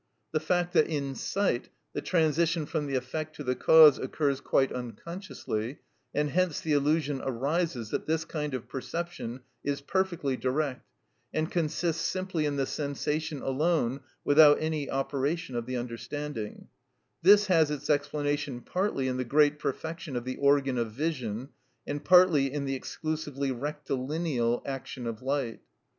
The fact that in sight the transition from the effect to the cause occurs quite unconsciously, and hence the illusion arises that this kind of perception is perfectly direct, and consists simply in the sensation alone without any operation of the understanding—this has its explanation partly in the great perfection of the organ of vision, and partly in the exclusively rectilineal action of light.